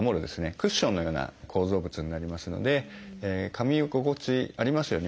クッションのような構造物になりますのでかみ心地ありますよね